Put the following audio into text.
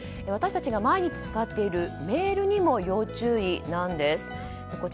私たちが毎日使っているメールにも要注意なんです。